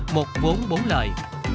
một vốn bốn lời